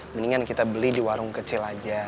mendingan kita beli di warung kecil aja